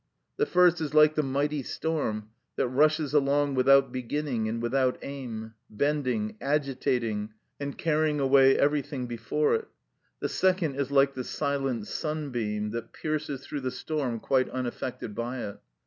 The first is like the mighty storm, that rushes along without beginning and without aim, bending, agitating, and carrying away everything before it; the second is like the silent sunbeam, that pierces through the storm quite unaffected by it.